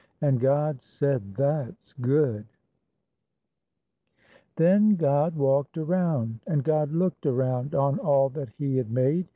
And God said, "That's good!" Then God walked around, And God looked around On all that He had made.